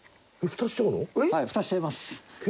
ふたしちゃいます。